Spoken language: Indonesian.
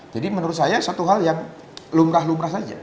jadi menurut saya satu hal yang lumrah lumrah saja